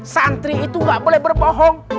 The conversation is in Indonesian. santri itu gak boleh berbohong